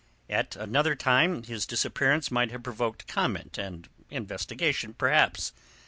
At another time his disappearance must have provoked comment and investigation, perhaps.